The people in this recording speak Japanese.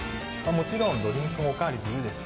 もちろんドリンクもおかわり自由です